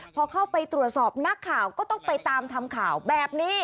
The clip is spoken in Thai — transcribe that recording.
พอเข้าไปตรวจสอบนักข่าวก็ต้องไปตามทำข่าวแบบนี้